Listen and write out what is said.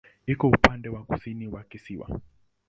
Iko upande wa kusini wa kisiwa.